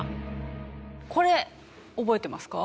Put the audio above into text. これ覚えてますか？